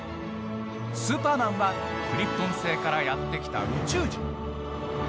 スーパーマンはクリプトン星からやって来た宇宙人。